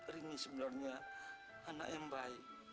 rini sebenarnya anak yang baik